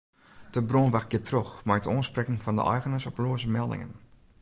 De brânwacht giet troch mei it oansprekken fan de eigeners op loaze meldingen.